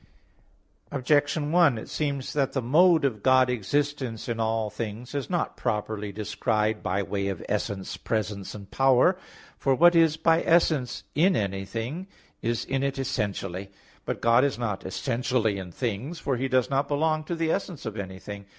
Objection 1: It seems that the mode of God's existence in all things is not properly described by way of essence, presence and power. For what is by essence in anything, is in it essentially. But God is not essentially in things; for He does not belong to the essence of anything.